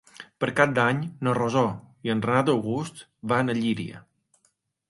Per Cap d'Any na Rosó i en Renat August van a Llíria.